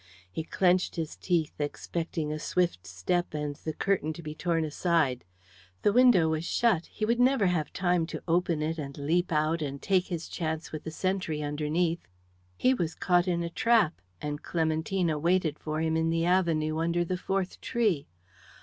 He clenched his teeth, expecting a swift step and the curtain to be torn aside. The window was shut; he would never have time to open it and leap out and take his chance with the sentry underneath. He was caught in a trap, and Clementina waited for him in the avenue, under the fourth tree.